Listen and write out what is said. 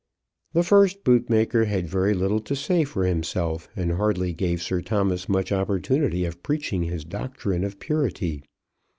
The first bootmaker had very little to say for himself, and hardly gave Sir Thomas much opportunity of preaching his doctrine of purity.